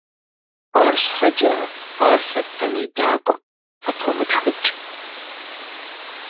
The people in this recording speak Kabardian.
Арщхьэкӏэ ар Сатэн идакъым: - Къытомытхыкӏ.